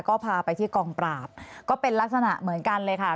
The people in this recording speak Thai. ก็พาไปที่กองปราบก็เป็นลักษณะเหมือนกันเลยค่ะ